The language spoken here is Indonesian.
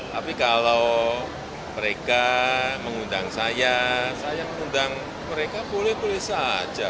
tapi kalau mereka mengundang saya saya mengundang mereka boleh boleh saja